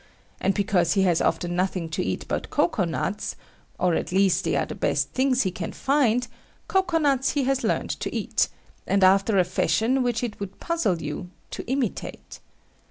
And because he has often nothing to eat but cocoa nuts, or at least they are the best things he can find, cocoa nuts he has learned to eat, and after a fashion which it would puzzle you to imitate.